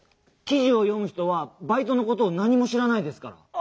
きじをよむ人はバイトのことをなにもしらないですから。